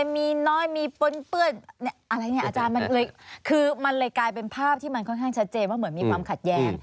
มันเลยกลายเป็นภาพที่มันค่อนข้างชัดเจนว่าเหมือนมีความขาดแย้ง